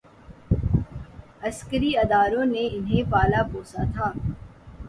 عسکری اداروں نے انہیں پالا پوسا تھا۔